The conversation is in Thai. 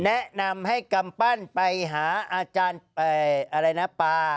แนะนำให้กำปั้นไปหาอาจารย์อะไรนะปลา